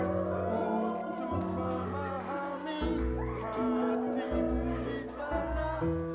untuk memahami hatimu di sana